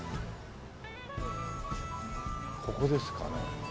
ここですかね？